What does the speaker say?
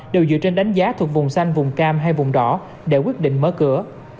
đều dựa trên đánh giá thuộc vùng xanh vùng cam hay vùng đỏ để quyết định mở cửa